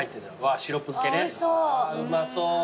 あうまそう。